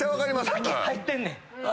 先入ってんねん！